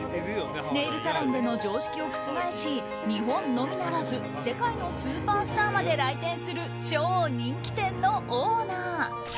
ネイルサロンでの常識を覆し日本のみならず世界のスーパースターまで来店する超人気店のオーナー。